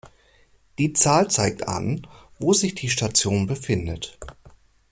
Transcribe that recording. Die Zahl zeigt an, wo sich die Station befindet.